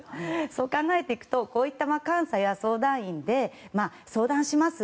そう考えていくとこういった監査や相談員で相談します